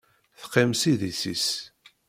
Teqqim s idis-is.